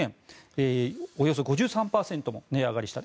およそ５３％も値上がりした。